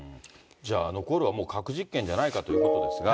じゃあ、残るはもう核実験じゃないかということですが。